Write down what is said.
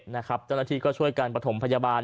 เจ้าหน้าที่ก็ช่วยการประถมพยาบาล